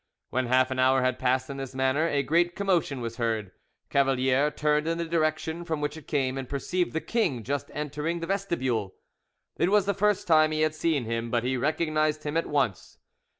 When half an hour had passed in this manner, a great commotion was heard: Cavalier turned in the direction from which it came, and perceived the king just entering the vestibule. It was the first time he had seen him, but he recognized him at once.